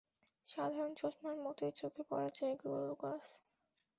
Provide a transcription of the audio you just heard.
সাধারণ চশমার মতোই চোখে পরা যায় গুগল গ্লাস।